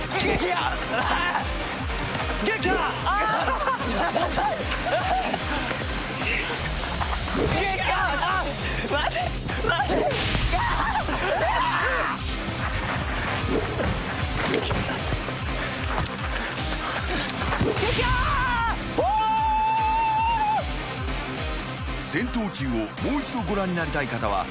［『戦闘中』をもう一度ご覧になりたい方は］